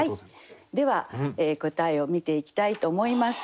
では答えを見ていきたいと思います。